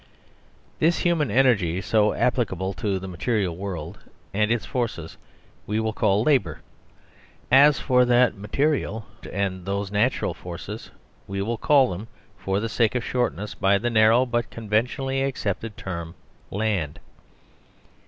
This human energy so applicable to the material world and its forces we will call Labour. As for that material and those natural forces, we will call them, for the sake of shortness, by the narrow, but conven tionally accepted, term Land.